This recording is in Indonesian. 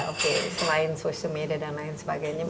oke selain social media dan lain sebagainya